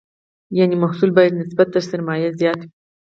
یعنې محصول باید نسبت تر سرمایې زیات وي.